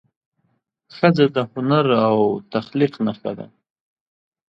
ښځه د هنر او تخلیق نښه ده.